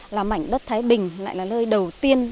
là mảnh đất thái bình lại là nơi đầu tiên